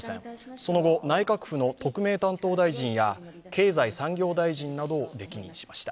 その後内閣府の特命担当大臣や経済産業大臣などを歴任しました。